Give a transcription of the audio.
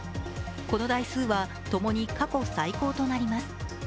この台数は、ともに過去最高となります。